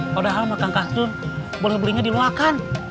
padahal makan kacun boleh belinya diluakan